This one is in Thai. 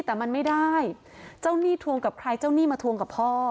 แต่มันไม่ได้เจ้าหนี้ทวงกับใครเจ้าหนี้มาทวงกับพ่อ